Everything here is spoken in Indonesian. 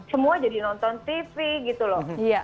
semua jadi nonton tv gitu loh